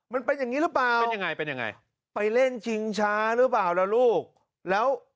มันเป็นอย่างนี้หรือเปล่าไปเล่นชิงช้าหรือเปล่าล่ะลูกแล้ว